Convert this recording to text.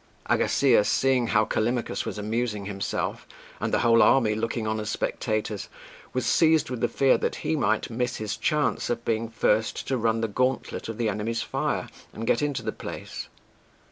Agasias, seeing how Callimachus was amusing himself, and the whole army looking on as spectators, was seized with the fear that he might miss his chance of being first to run the gauntlet of the enemy's fire and get into the place.